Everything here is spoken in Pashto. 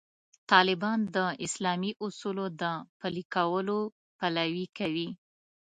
طالبان د اسلامي اصولو د پلي کولو پلوي کوي.